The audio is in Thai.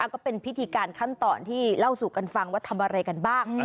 ก็เป็นพิธีการขั้นตอนที่เล่าสู่กันฟังว่าทำอะไรกันบ้าง